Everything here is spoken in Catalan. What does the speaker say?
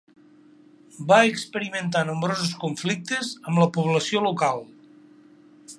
Va experimentar nombrosos conflictes amb la població local.